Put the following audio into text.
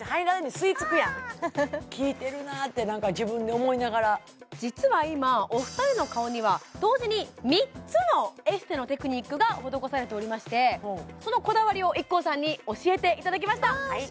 すごいピクピクくる実は今お二人の顔には同時に３つのエステのテクニックが施されておりましてそのこだわりをＩＫＫＯさんに教えていただきました